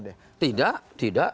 deh tidak tidak